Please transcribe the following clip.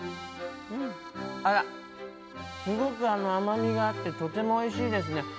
あら、すごく甘みがあって、とてもおいしいですね。